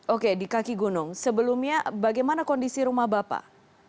oke di kaki gunung sebelumnya bagaimana kondisi rumah bapak